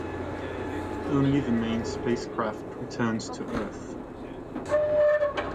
Only the main spacecraft returns to Earth.